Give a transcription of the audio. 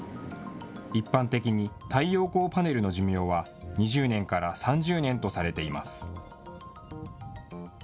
一般的に太陽光パネルの寿命は２０年から３０年とされています。